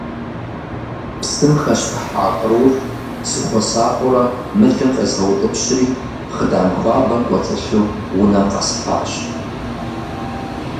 Псым хэщтыхьа кърур, сыхуэсакъыурэ мылым къезгъэутӏыпщри, хъыдан хуабэм кӏуэцӏылъу унэм къэсхьащ.